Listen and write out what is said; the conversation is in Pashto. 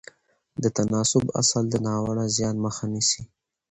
د تناسب اصل د ناوړه زیان مخه نیسي.